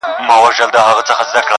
امتياز يې د وهلو کُشتن زما دی.!